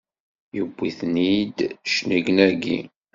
Yewwi-tent-id cennegnagi!